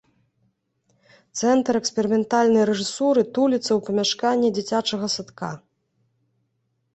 Цэнтр эксперыментальнай рэжысуры туліцца ў памяшканні дзіцячага садка.